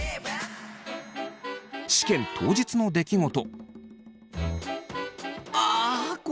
試験当日の出来事。